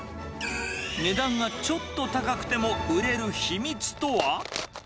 値段がちょっと高くても売れる秘密とは？